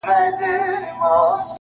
زه کرۍ ورځ په درنو بارونو بار یم-